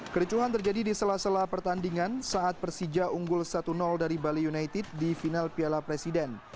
kericuhan terjadi di sela sela pertandingan saat persija unggul satu dari bali united di final piala presiden